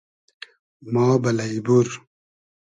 ما بئلݷ بور